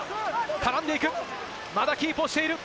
絡んでいく、まだキープをしている。